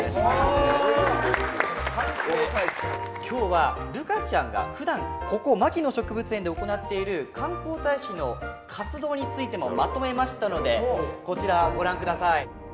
今日は琉楓ちゃんがふだんここ牧野植物園で行っている観光大使の活動についてもまとめましたのでこちらご覧ください。